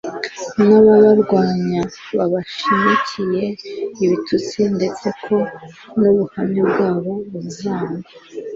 n'ababarwanya babashinyikiye, ibitutsi, ndetse ko n'ubuhamya bwabo buzangwa.